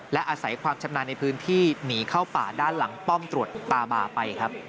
และอาศัยความชำนาญในพื้นที่หนีเข้าป่าด้านหลังป้อมตรวจตาบาไปครับ